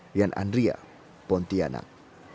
lian andria pontianak